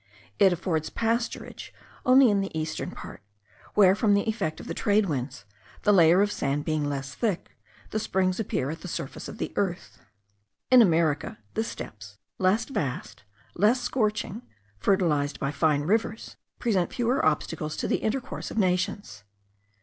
It affords pasturage only in the eastern part, where, from the effect of the trade winds, the layer of sand being less thick, the springs appear at the surface of the earth. In America, the steppes, less vast, less scorching, fertilized by fine rivers, present fewer obstacles to the intercourse of nations.